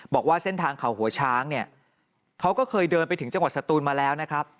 บอกว่าเส้นทางเขาหัวช้างเนี่ยเขาก็เคยเดินไปถึงจังหวัดสตูนมาแล้วนะครับ